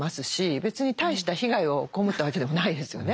別に大した被害をこうむったわけでもないですよね。